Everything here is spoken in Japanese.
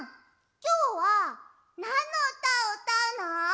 きょうはなんのうたをうたうの？